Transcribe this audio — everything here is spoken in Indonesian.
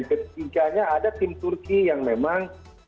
dan ketiganya ada tim turki yang memang